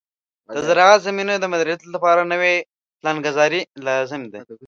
د زراعتي زمینو د مدیریت لپاره نوې پلانګذاري لازم ده.